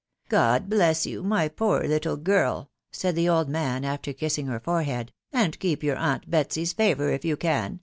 " God. bless you, nay poor little, girl !"taaid tthe eld man after kissing Jier forehead, 'fiand keep your aunt Betsy's favour if you can